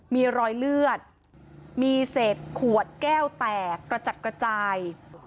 มีรอยเลือดมีเศษขวดแก้วแตกกระจัดกระจาย